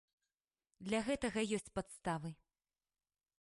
Для гэтага ёсць падставы.